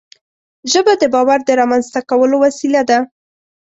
ژبه د باور د رامنځته کولو وسیله ده